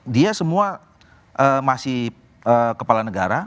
dia semua masih kepala negara